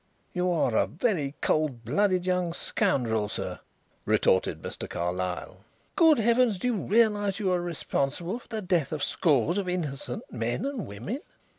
"You are a very cold blooded young scoundrel, sir!" retorted Mr. Carlyle. "Good heavens! do you realize that you are responsible for the death of scores of innocent men and women?"